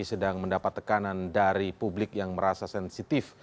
sedang mendapat tekanan dari publik yang merasa sensitif